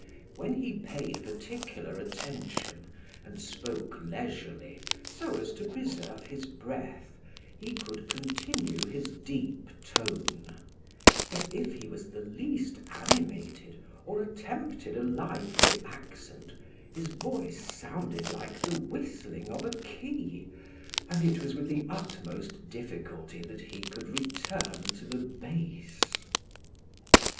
When he paid particular attention, and spoke leisurely, so as to preserve his breath, he could continue his deep tone; but if he was the least animated, or attempted a lively accent, his voice sounded like the whistling of a key, and it was with the utmost difficulty that he could return to the bass.